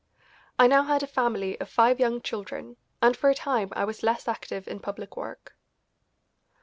I now had a family of five young children, and for a time I was less active in public work.